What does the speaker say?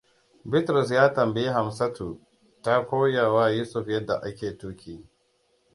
Bitrus ya tambayi Hamsatututu ta koyawa Yusuf yadda ake tuki.